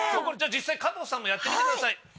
これじゃあ実際加藤さんもやってみてください。